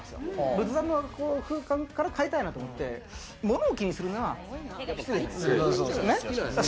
仏壇の空間から変えたいなと思って、物置にするのは失礼ですから。